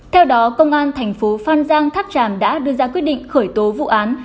theo đó công an thành phố phan giang tháp tràm đã đưa ra quyết định khởi tố vụ án